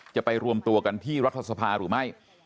จะไปรวมตัวกันที่รัฐสภาหรือไม่